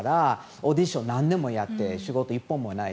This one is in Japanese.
オーディションを何年もやって仕事１本もない。